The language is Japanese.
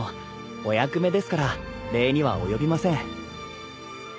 お役目ですから礼には及びません。